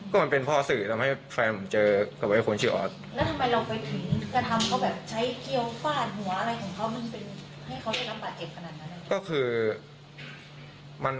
ก็มันเป็นพอสื่อทำให้แฟนผมเจอแล้วก็แบบว่าคนนี้ชิคกี้พาย